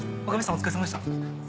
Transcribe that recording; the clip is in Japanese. お疲れさまでした。